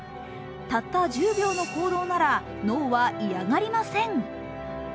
たった１０秒の行動なら、脳は嫌がりません。